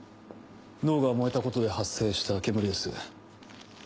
脳が燃えたことで発生した煙です。